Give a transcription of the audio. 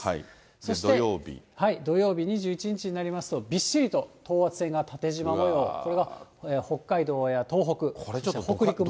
そして土曜日２１日になりますと、びっしりと等圧線が縦じま模様、これは北海道や東北、北陸も。